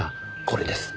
これです。